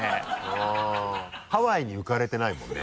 うんハワイに浮かれてないもんね